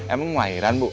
emang wairan bu